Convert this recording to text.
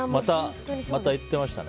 また言ってましたね。